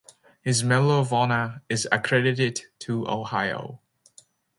His Medal of Honor is accredited to Ohio.